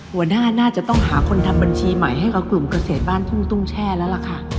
หัวหน้าน่าจะต้องหาคนทำบัญชีใหม่ให้กับกลุ่มเกษตรบ้านทุ่งตุ้งแช่แล้วล่ะค่ะ